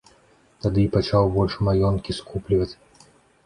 Тады і пачаў больш маёнткі скупліваць.